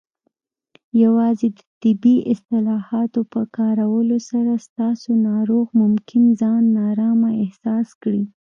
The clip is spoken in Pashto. یوازې د طبي اصطلاحاتو په کارولو سره، ستاسو ناروغ ممکن ځان نارامه احساس کړي.